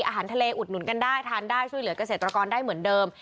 อาหารทะเลอุดหนุนกันได้ทานได้ช่วยเหลือกเกษตรกรได้เหมือนเดิม